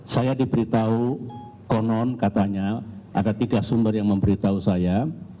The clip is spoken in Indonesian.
saya diberitahu konon katanya ada tiga sumber yang memberitahu saya